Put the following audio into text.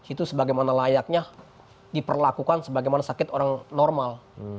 itu sebagaimana layaknya diperlakukan sebagaimana sakit orang normal